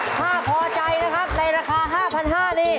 ถ้าพอใจนะครับในราคา๕๕๐๐บาทนี่